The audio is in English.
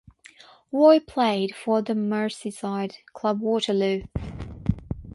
Roy played for the Merseyside club Waterloo.